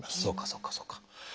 そうかそうかそうか。